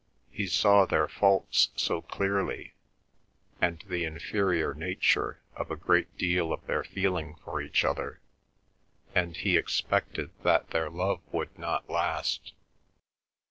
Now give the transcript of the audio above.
He saw their faults so clearly, and the inferior nature of a great deal of their feeling for each other, and he expected that their love would not last.